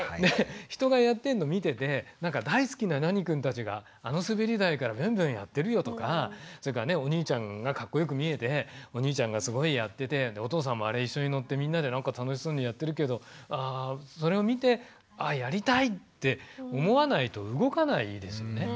人がやってんの見てて大好きな何くんたちがあのすべり台からビュンビュンやってるよとかそれからお兄ちゃんがかっこよく見えてお兄ちゃんがすごいやっててお父さんもあれ一緒に乗ってみんなでなんか楽しそうにやってるけどそれを見てやりたいって思わないと動かないですよね。